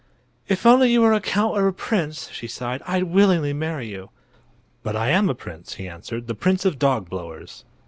"If only you were a count or a prince," she sighed, "I'd willingly marry you." "But I am a prince," he answered; "the Prince of Dogblowers."